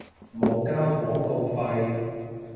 冇交廣告費